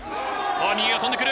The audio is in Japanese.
右が飛んでくる。